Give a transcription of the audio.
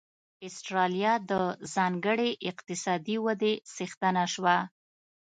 اسټرالیا د ځانګړې اقتصادي ودې څښتنه شوه.